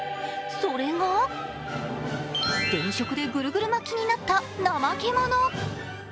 それが電飾でぐるぐる巻きになったナマケモノ。